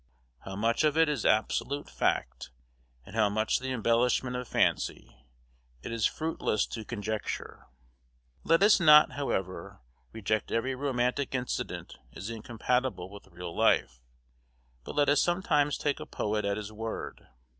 How much of it is absolute fact, and how much the embellishment of fancy, it is fruitless to conjecture; let us not, however, reject every romantic incident as incompatible with real life, but let us sometimes take a poet at his word.